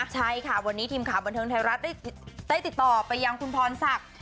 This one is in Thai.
ใช่ค่ะวันนี้ทีมข่าวบันเทิงไทยรัฐได้ติดต่อไปยังคุณพรศักดิ์